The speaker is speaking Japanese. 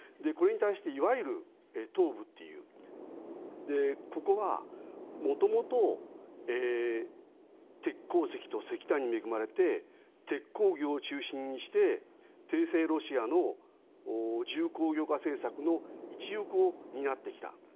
これに対していわゆる東部というここはもともと鉄鉱石と石炭に恵まれて鉄鋼業を中心にして帝政ロシアの重工業化政策の一翼を担ってきた。